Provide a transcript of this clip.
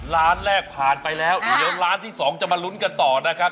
ร้านแรกผ่านไปแล้วเดี๋ยวร้านที่สองจะมาลุ้นกันต่อนะครับ